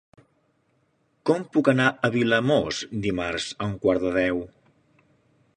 Com puc anar a Vilamòs dimarts a un quart de deu?